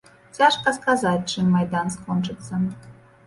Цяжка сказаць, чым майдан скончыцца.